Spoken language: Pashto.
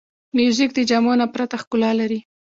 موزیک د جامو نه پرته ښکلا لري.